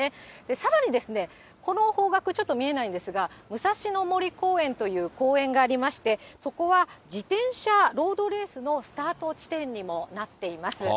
さらにですね、この方角、ちょっと見えないんですが、武蔵野森公園という公園がありまして、そこは自転車ロードレースのスタート地点にもなっています。